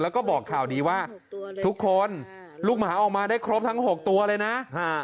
แล้วก็บอกข่าวดีว่าทุกคนลูกหมาออกมาได้ครบทั้ง๖ตัวเลยนะ